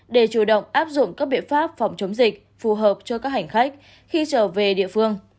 để chủ động áp dụng các biện pháp phòng chống dịch phù hợp cho các hành khách khi trở về địa phương